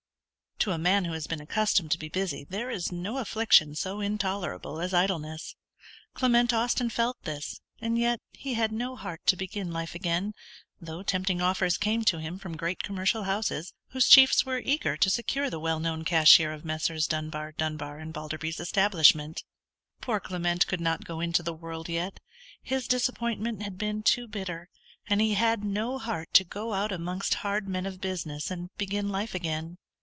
To a man who has been accustomed to be busy there is no affliction so intolerable as idleness. Clement Austin felt this, and yet he had no heart to begin life again, though tempting offers came to him from great commercial houses, whose chiefs were eager to secure the well known cashier of Messrs. Dunbar, Dunbar, and Balderby's establishment. Poor Clement could not go into the world yet. His disappointment had been too bitter, and he had no heart to go out amongst hard men of business, and begin life again.